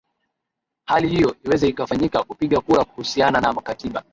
hali hiyo iweze ikafanyika kupiga kura kuhusiana na katiba